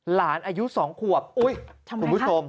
อายุ๒ขวบอุ๊ยคุณผู้ชม